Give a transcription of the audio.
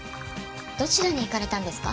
どちらに行かれたんですか？